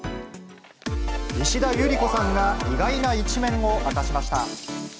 石田ゆり子さんが意外な一面を明かしました。